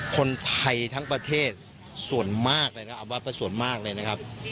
คนไทยทั้งประเทศส่วนมากเลยนะเอาวัดก็ส่วนมากเลยนะครับ